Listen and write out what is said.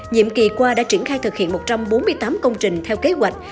nhiệm kỳ qua đã triển khai thực hiện một trăm bốn mươi tám công trình theo kế hoạch